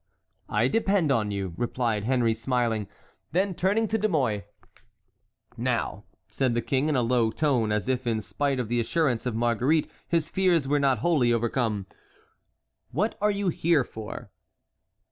"I depend on you," replied Henry smiling. Then turning to De Mouy: "Now," said the king, in a low tone, as if in spite of the assurance of Marguerite his fears were not wholly overcome, "what are you here for?"